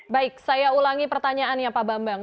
baik saya ulangi pertanyaannya pak bambang